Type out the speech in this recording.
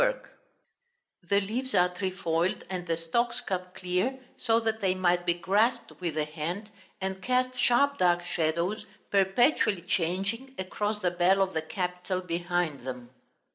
Appendix 8); the leaves are trefoiled, and the stalks cut clear so that they might be grasped with the hand, and cast sharp dark shadows, perpetually changing, across the bell of the capital behind them.